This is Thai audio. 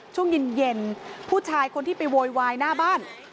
ช่วงเย็นผู้ชายคนที่ไปโวยวายหน้าบ้าน